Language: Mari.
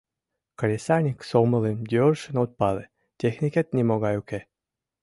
Кресаньык сомылым йӧршын от пале, техникет нимогай уке.